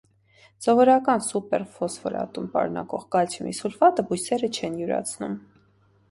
Սովորական սուպերֆոսֆորատում պարունակող կալցիումի սուլֆատը բույսերը չեն յուրացնում։